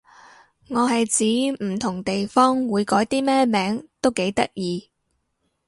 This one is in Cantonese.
我係指唔同地方會改啲咩名都幾得意